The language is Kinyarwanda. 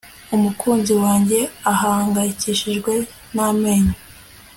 umukunzi wanjye ahangayikishijwe namenyo